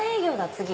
次。